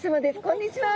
こんにちは。